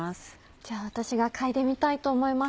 じゃあ私が嗅いでみたいと思います。